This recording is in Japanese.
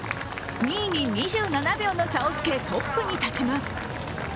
２位に２７秒の差をつけ、トップに立ちます。